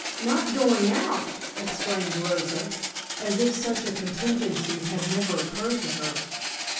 "Not going out!" exclaimed Rosa, as if such a contingency had never occurred to her.